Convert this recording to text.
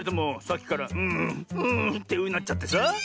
さっきから「うんうん」ってうなっちゃってさ。